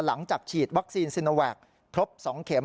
หลังจากฉีดวัคซีนซีโนแวคครบ๒เข็ม